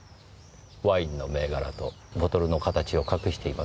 ワインの銘柄とボトルの形を隠していますねぇ。